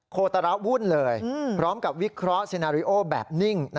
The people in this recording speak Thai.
โคตระวุ่นเลยพร้อมกับวิเคราะห์เซนาริโอแบบนิ่ง